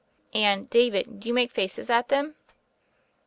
"And, David, do you make faces at them?"